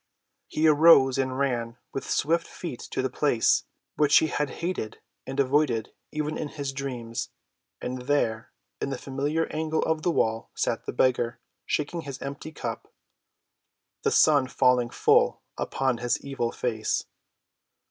He arose and ran with swift feet to the place which he had hated and avoided even in his dreams, and there in the familiar angle of the wall sat the beggar, shaking his empty cup, the sun falling full upon his evil face.